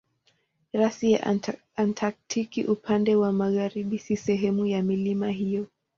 Rasi ya Antaktiki upande wa magharibi si sehemu ya milima hiyo.